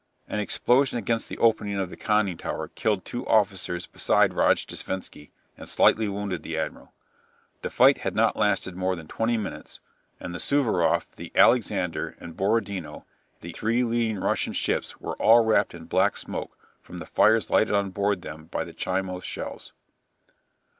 An explosion against the opening of the conning tower killed two officers beside Rojdestvensky, and slightly wounded the admiral. The fight had not lasted more than twenty minutes, and the "Suvaroff," the "Alexander," and "Borodino," the three leading Russian ships, were all wrapped in black smoke from the fires lighted on board of them by the Chimose shells.